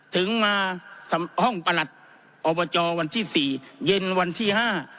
ถึงมาห้องประหลัดอบจวันที่สี่เย็นวันที่ห้า